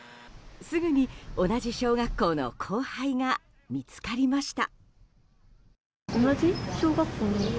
すぐに、同じ小学校の後輩が見つかりました。